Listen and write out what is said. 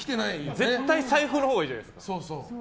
絶対、財布のほうがいいじゃないですか。